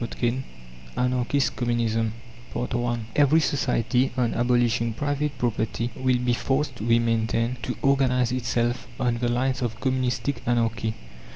CHAPTER III ANARCHIST COMMUNISM I Every society, on abolishing private property will be forced, we maintain, to organize itself on the lines of Communistic Anarchy.